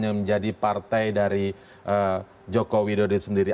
yang menjadi partai dari jokowi dodil sendiri